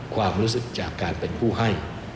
ความรู้สึกจากการเป็นผู้ให้